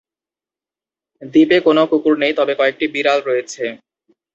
দ্বীপে কোনও কুকুর নেই তবে কয়েকটি বিড়াল রয়েছে।